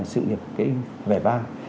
sự nghiệp vẻ vang